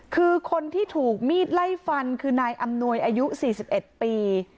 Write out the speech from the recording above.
คือคนที่ถูกมีดไล่ฟันคือนายอำนวยอายุ๔๑ปี